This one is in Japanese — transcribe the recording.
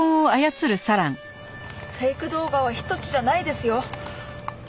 フェイク動画は１つじゃないですよ。